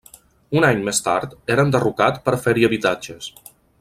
Un any més tard era enderrocat per fer-hi habitatges.